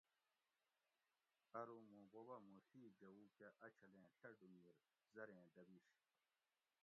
ارو موُں بوبہ موں ڷی جوؤ کہ ا چھلیں ڷہ ڈُھونگیر زریں دبیش